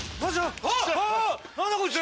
何だこいつ！